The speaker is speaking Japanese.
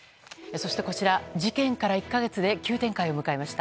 そしてこちら、事件から１か月で急展開を迎えました。